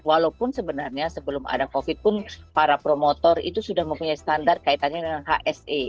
walaupun sebenarnya sebelum ada covid pun para promotor itu sudah mempunyai standar kaitannya dengan hse